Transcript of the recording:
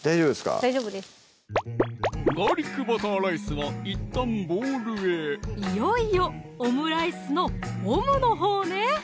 大丈夫ですガーリックバターライスはいったんボウルへいよいよオムライスのオムのほうね！